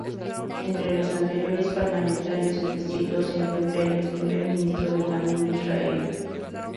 Entre los anteriores parlamentarios del distrito se encuentra el ex primer ministro Benjamin Disraeli.